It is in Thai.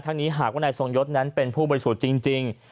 นี้หากว่านายทรงยศนั้นเป็นผู้บริสุทธิ์จริง